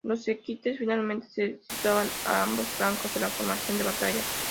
Los "equites", finalmente, se situaban a ambos flancos de la formación de batalla.